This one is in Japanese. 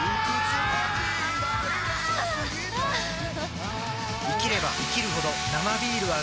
あぁあ！あー生きれば生きるほど「生ビール」はうまい！